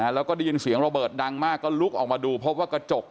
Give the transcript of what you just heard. แล้วก็ได้ยินเสียงระเบิดดังมากก็ลุกออกมาดูพบว่ากระจก